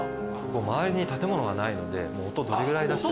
周りに建物がないので音どれぐらい出しても。